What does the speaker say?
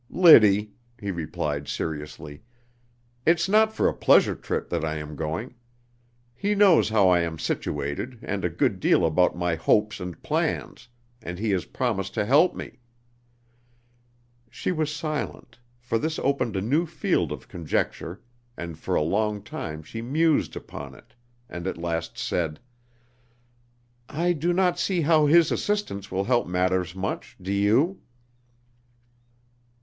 '" "Liddy," he replied seriously, "it's not for a pleasure trip that I am going. He knows how I am situated and a good deal about my hopes and plans, and he has promised to help me." She was silent, for this opened a new field of conjecture and for a long time she mused upon it, and at last said: "I do not see how his assistance will help matters much, do you?"